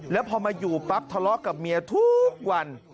แล้วพอมาอยู่ปั๊บทะเลาะกับเมียทุกวัน